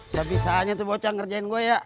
sebisanya tuh bocang ngerjain gua ya